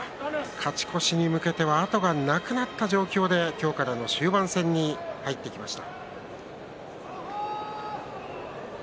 勝ち越しに向けては後がなくなった状況で今日からの終盤戦に入ってきました。